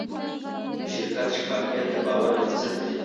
د شرکت شفافیت د باور بنسټ دی.